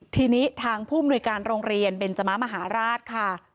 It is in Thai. ทีนี้ทางผู้มนุยการโรงเรียนเบนจมะมหาราชค่ะ